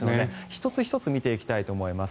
１つ１つ見ていきたいと思います。